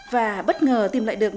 và bất ngờ tìm lại được